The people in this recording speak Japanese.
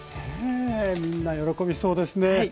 ねえみんな喜びそうですね。